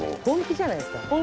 本気じゃないですか。